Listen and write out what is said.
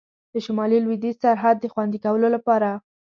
د شمال لوېدیځ سرحد د خوندي کولو لپاره.